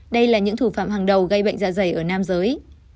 đây là những thủ phạm hàng đầu gây bệnh dạ dày ở nam giới